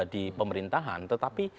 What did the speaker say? di pemerintahan tetapi